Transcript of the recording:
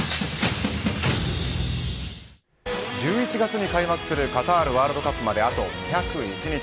１１月に開幕するカタールワールドカップまであと２０１日。